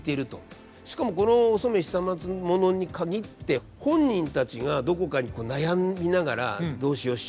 しかもこのお染久松物に限って本人たちがどこかに悩みながら「どうしよう？